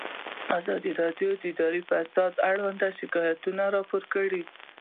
ازادي راډیو د اداري فساد اړوند شکایتونه راپور کړي.